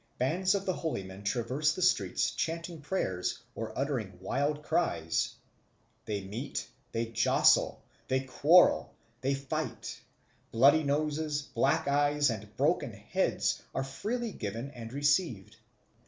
Bands of the holy men traverse the streets chanting prayers, or uttering wild cries. They meet, they jostle, they quarrel, they fight; bloody noses, black eyes, and broken heads are freely given and received.